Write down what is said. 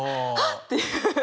っていう。